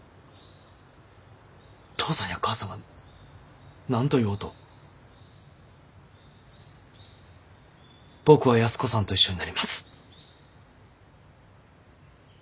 父さんや母さんが何と言おうと僕は安子さんと一緒になります。